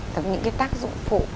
tức những cái tác dụng phụ